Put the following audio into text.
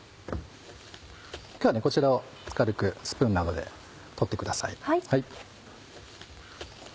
今日はこちらを軽くスプーンなどで取ってください。